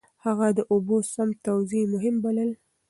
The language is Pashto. هغه د اوبو سم توزيع مهم بللی و.